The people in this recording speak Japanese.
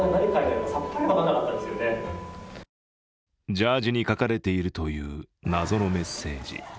ジャージーに書かれているという謎のメッセージ。